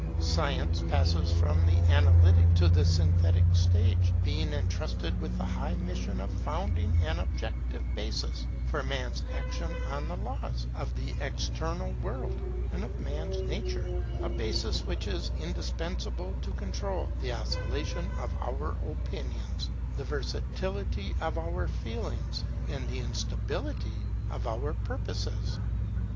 Science passes from the analytic to the synthetic state, being entrusted with the high mission of founding an objective basis for man's action on the laws of the external world and of man's nature; a basis which is indispensable to control the oscillation of our opinions, the versatility of our feelings, and the instability of our purposes.